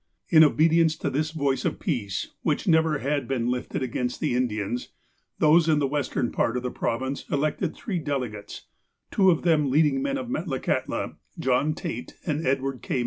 In obedience to this voice of peace, which never had been lifted against the Indians, those in the western part of the Province elected three delegates, two of them leading men of Metlakahtla, John Tait and Edward K.